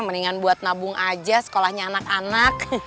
mendingan buat nabung aja sekolahnya anak anak